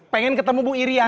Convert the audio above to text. pengen ketemu bu iriana